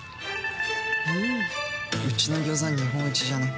うちのギョーザ日本一じゃね？